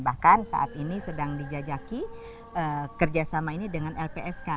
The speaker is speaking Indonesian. bahkan saat ini sedang dijajaki kerjasama ini dengan lpsk